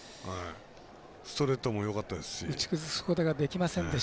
ストレートもよかったですし。